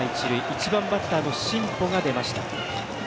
１番バッターの新保が出ました。